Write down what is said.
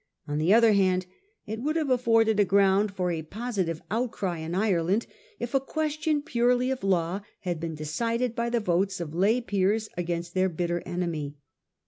On the other hand, it would have afforded a ground for a positive outcry in Ireland if a question purely of law had been decided by the votes of lay peers against their bitter enemy.